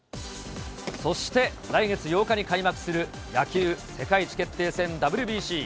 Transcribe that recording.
そして来月８日に開幕する野球世界一決定戦、ＷＢＣ。